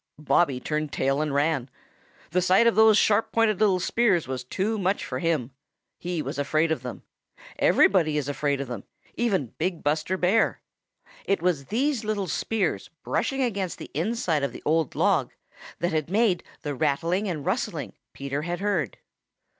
Bobby turned tail and ran. The sight of those sharp pointed little spears was too much for him. He was afraid of them. Everybody is afraid of them, even big Buster Bear. It was these little spears brushing against the inside of the old log that had made the rattling and rustling Peter had heard.